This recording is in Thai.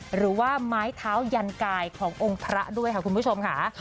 หรือว่าไม้เท้ายันกายขององค์พระด้วยค่ะคุณผู้ชมค่ะ